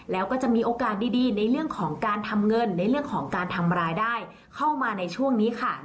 แล้วก็จะมีโอกาสดีในเรื่องของการทำเงินในเรื่องของการทำรายได้เข้ามาในช่วงนี้ค่ะ